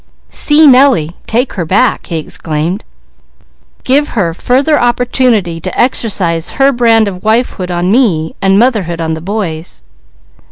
"See Nellie! Take her back!" he exclaimed. "Give her further opportunity to exercise her brand of wifehood on me and motherhood on the boys!"